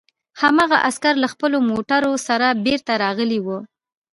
هماغه عسکر له خپلو موټرو سره بېرته راغلي وو